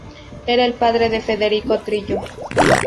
Era el padre de Federico Trillo.